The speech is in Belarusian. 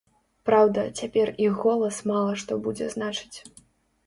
Праўда, цяпер іх голас мала што будзе значыць.